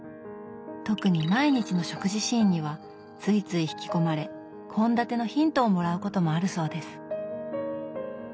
特に毎日の食事シーンにはついつい引き込まれ献立のヒントをもらうこともあるそうです。